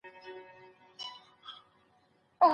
پدغه وخت کي ابليس هغه شيطان ته څه کوي؟